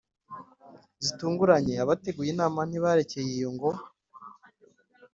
zitunguranye, abateguye inama ntibarekeye iyo ngo